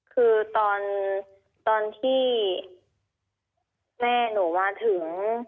คือตอนที่แม่หนูมาถึง